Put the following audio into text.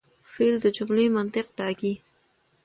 فعل د جملې منطق ټاکي.